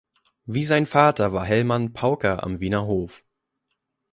Wie sein Vater war Hellmann Pauker am Wiener Hof.